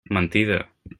Mentida!